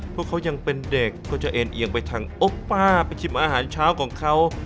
พวกเขายังเป็นเด็กก็จะเอ็นเอียงไปทางโอป้าไปชิมอาหารเช้าของเขา